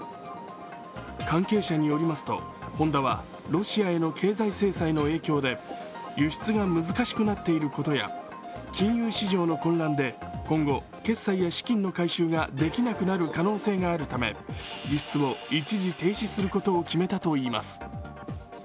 関係者によりますとホンダはロシアへの経済制裁の影響で輸出が難しくなっていることや金融市場の混乱で今後、決済や資金の回収ができなくなる可能性があるため、輸出を一時停止することを決めたといいます。